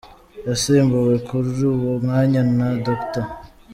Yasimbuwe kuri uwo mwanya na Dr.